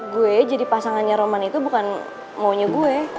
gue jadi pasangannya roman itu bukan maunya gue